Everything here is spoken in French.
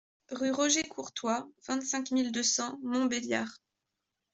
Rue Roger Courtois, vingt-cinq mille deux cents Montbéliard